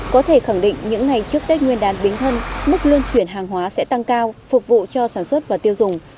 có thể khẳng định những ngày trước tết nguyên đán bính thân mức lương chuyển hàng hóa sẽ tăng cao phục vụ cho sản xuất và tiêu dùng